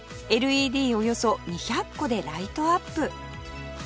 およそ２００個でライトアップ